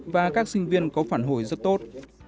và các sinh viên có phản hồi rất tốt